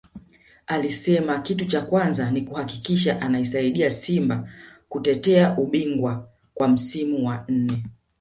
alisema kitu cha kwanza ni kuhakikisha anaisaidia Simba kutetea ubingwa kwa msimu wa nne